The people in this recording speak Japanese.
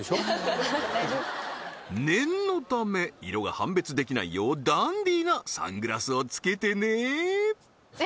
念のため色が判別できないようダンディーなサングラスを着けてね